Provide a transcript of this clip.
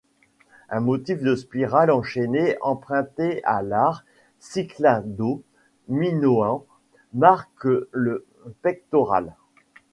Un motif de spirales enchaînées emprunté à l'art cyclado-minoen marque le pectoral.